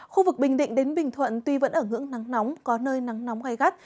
khu vực bình định đến bình thuận tuy vẫn ở ngưỡng nắng nóng có nơi nắng nóng gai gắt